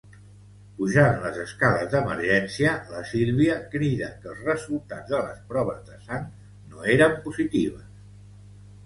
Pujant les escales d'emergència, la Sílvia crida que els resultats de les proves de sang no eren positives.